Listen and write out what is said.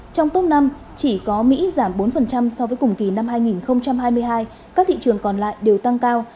trong tốt năm chỉ có mỹ giảm bốn so với cùng kỳ năm hai nghìn hai mươi hai các thị trường còn lại đều tăng cao